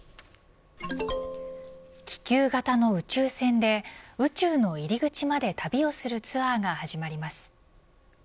気球型の宇宙船で宇宙の入り口まで旅をするツアーが始まります。